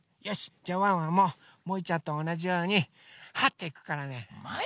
じゃあワンワンももいちゃんとおなじようにはっていくからね。もい！